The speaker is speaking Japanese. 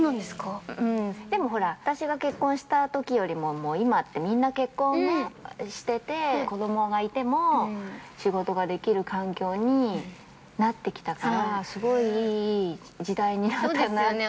◆でもほら、私が結婚したときより今って、みんな結婚してて子供がいても、仕事ができる環境になってきたからすごいいい時代になったと◆